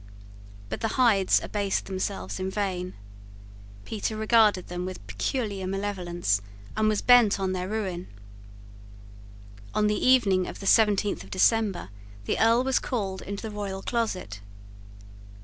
But the Hydes abased themselves in vain. Petre regarded them with peculiar malevolence, and was bent on their ruin. On the evening of the seventeenth of December the Earl was called into the royal closet.